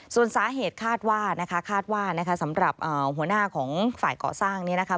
ส่วนสาเหตุคาดว่านะคะคาดว่านะคะสำหรับหัวหน้าของฝ่ายเกาะสร้างนี้นะคะ